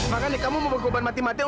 makanya kamu mau berkorban mati matian